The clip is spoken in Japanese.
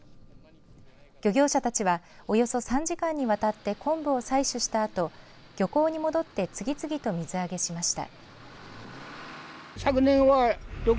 漁業者たちはおよそ３時間にわたって昆布を採取したあと漁港に戻って次々と水揚げしました。